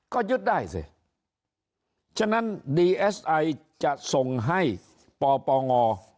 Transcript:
ก็ยึดได้สิฉะนั้นดีเอสไอจะส่งให้ปปง